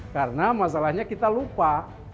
karena masalahnya kita lupa